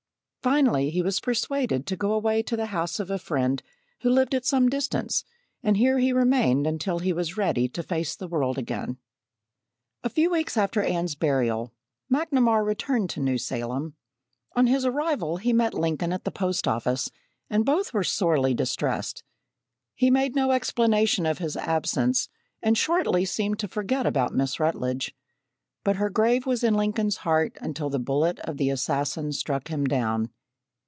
Finally, he was persuaded to go away to the house of a friend who lived at some distance, and here he remained until he was ready to face the world again. A few weeks after Anne's burial, McNamar returned to New Salem. On his arrival he met Lincoln at the post office and both were sorely distressed. He made no explanation of his absence, and shortly seemed to forget about Miss Rutledge, but her grave was in Lincoln's heart until the bullet of the assassin struck him down.